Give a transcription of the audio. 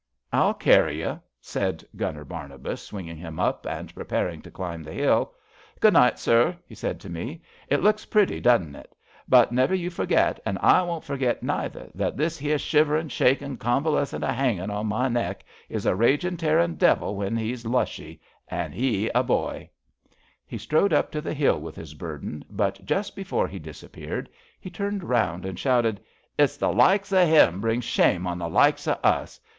I'll carry you," said Gunner Barnabas, swing ing him up and preparing to climb the hill. Good night, sir," he said to me. It looks pretty, doesn't it? But never you forget, an' I won't forget neither, that this 'ere shiverin', fihakin', convalescent a hangin' on to my neck is a ragin', tearin', devil when 'e's lushy — ^an' 'e a boy!" He strode up to the hill with his burden, but just before he disappeared he turned round and shouted: It's the likes o' 'im brings shame on the likes o' us.